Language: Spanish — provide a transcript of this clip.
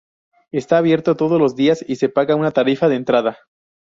Está abierto todos los días y se paga una tarifa de entrada.